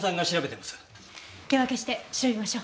手分けして調べましょう。